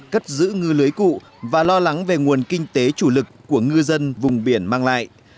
cất giữ ngư lưới cụ và lo lắng về nguồn kinh tế chủ lực của ngư dân vùng biển mang lại